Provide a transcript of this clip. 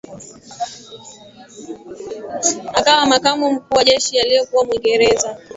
akawa makamu mkuu wa Jeshi aliyekuwa Mwingereza